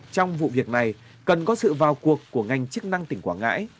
trong vụ việc này cần có sự vào cuộc của ngành chức năng tỉnh quảng ngãi